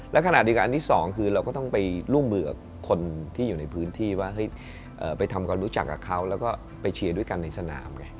และขณะเดียวกันอันที่สองคือเราก็ต้องไปร่วมมือกับคนที่อยู่ในพื้นที่ว่าเฮ้ยไปทำความรู้จักกับเขาแล้วก็ไปเชียร์ด้วยกันในสนามไง